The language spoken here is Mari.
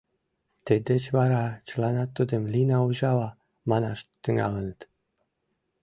Тиддеч вара чыланат тудым Лина-Ужава манаш тӱҥалыныт.